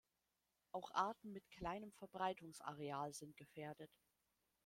Auch Arten mit kleinem Verbreitungsareal sind gefährdet.